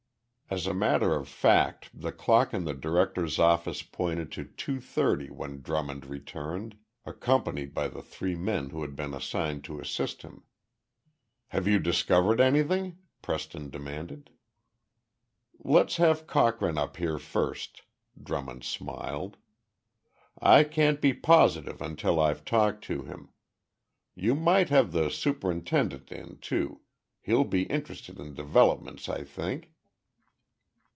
As a matter of fact, the clock in the director's office pointed to two thirty when Drummond returned, accompanied by the three men who had been assigned to assist him. "Have you discovered anything?" Preston demanded. "Let's have Cochrane up here first," Drummond smiled. "I can't be positive until I've talked to him. You might have the superintendent in, too. He'll be interested in developments, I think."